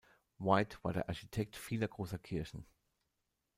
White war der Architekt vieler großer Kirchen.